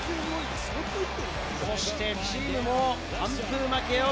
そしてチームも完封負けを